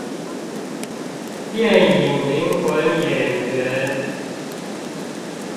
電影靈魂演員